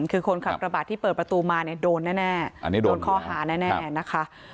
คือคนขับกระบาดที่เปิดประตูมาเนี่ยโดนแน่โดนข้อหาแน่นะคะ